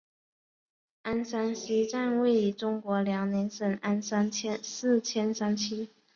鞍山西站位于中国辽宁省鞍山市千山区。